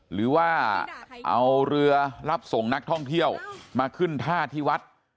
หรือว่าเอาเรือรับส่งนักท่องเที่ยวมาขึ้นท่าที่วัด